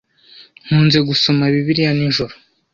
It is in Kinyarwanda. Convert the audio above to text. Nkunze gusoma Bibiliya nijoro